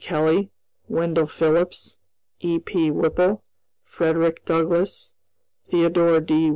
Kelly, Wendell Phillips, E.P. Whipple, Frederick Douglass, Theodore D.